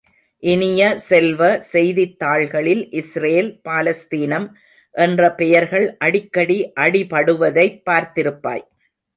இனிய செல்வ, செய்தித் தாள்களில் இஸ்ரேல் பாலஸ்தீனம் என்ற பெயர்கள் அடிக்கடி அடிபடுவதைப் பார்த்திருப்பாய்!